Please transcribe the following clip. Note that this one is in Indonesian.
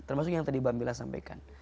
termasuk yang tadi bambila sampaikan